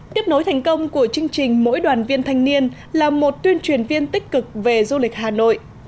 tiếp nối thành công của chương trình mỗi đoàn viên thanh niên là một tuyên truyền viên tích cực về du lịch hà nội